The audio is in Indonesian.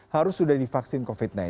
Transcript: harus sudah divaksin covid sembilan belas